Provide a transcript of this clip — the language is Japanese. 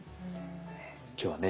今日はね